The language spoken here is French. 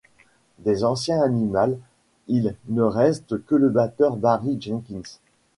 Des anciens Animals, il ne reste que le batteur Barry Jenkins.